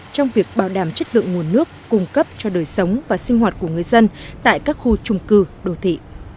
trong việc bảo đảm chất lượng nguồn nước cung cấp cho đời sống và sinh hoạt của người dân tại các khu trung cư đồ thị